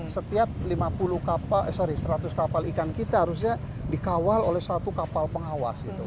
setiap seratus kapal ikan kita harusnya dikawal oleh satu kapal pengawas